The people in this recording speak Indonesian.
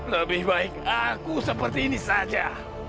lebih baik aku seperti ini saja